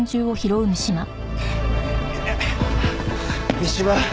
三島！